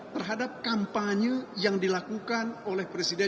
terhadap kampanye yang dilakukan oleh presiden